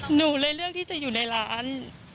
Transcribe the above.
หนูเลยเลือกที่จะอยู่ในร้าน